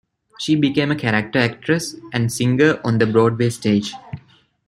She became a character actress and singer on the Broadway stage.